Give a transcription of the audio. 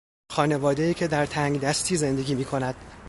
خانوادهای که در تنگدستی زندگی میکند